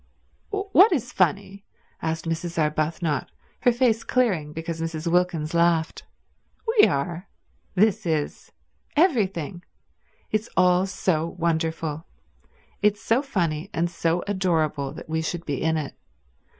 "What is funny?" asked Mrs. Arbuthnot, her face clearing because Mrs. Wilkins laughed. "We are. This is. Everything. It's all so wonderful. It's so funny and so adorable that we should be in it.